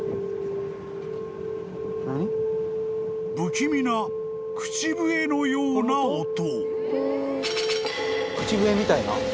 ［不気味な口笛のような音］